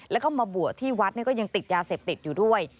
แล้วก็มาบวชที่วัดก็ยังติดยาเสพติดอยู่ด้วย